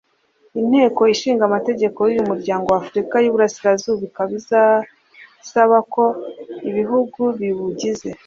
Inteko Ishinga Amategeko y’uyu muryango wa Afurika y’Iburasirazuba ikaba isaba ko ibihugu biwugize